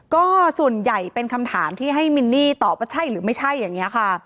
ก็ส่วนใหญ่เป็นคำถามที่ให้มินนี่ตอบว่าใช่หรือไม่ใช่อย่างนี้ค่ะ